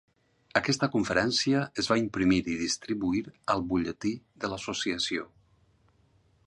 Aquesta conferència es va imprimir i distribuir al butlletí de l'associació.